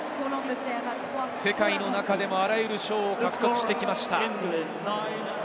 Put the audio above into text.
世界の中でもあらゆる賞を獲得してきました。